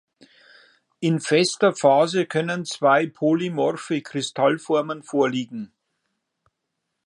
In fester Phase können zwei polymorphe Kristallformen vorliegen.